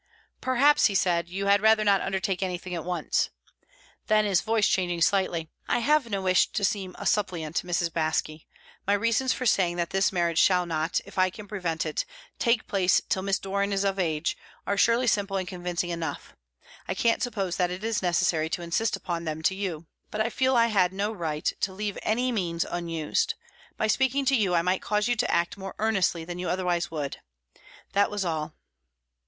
"Perhaps," he said, "you had rather not undertake anything at once." Then, his voice changing slightly, "I have no wish to seem a suppliant, Mrs. Baske. My reasons for saying that this marriage shall not, if I can prevent it, take place till Miss Doran is of age, are surely simple and convincing enough; I can't suppose that it is necessary to insist upon them to you. But I feel I had no right to leave any means unused. By speaking to you, I might cause you to act more earnestly than you otherwise would. That was all."